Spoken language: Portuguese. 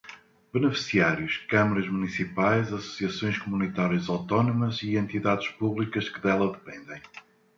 Beneficiários: câmaras municipais, associações comunitárias autónomas e entidades públicas que dela dependem.